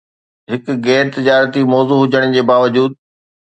هڪ غير تجارتي موضوع هجڻ جي باوجود